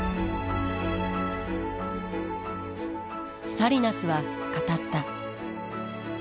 サリナスは語った。